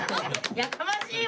やかましいわ。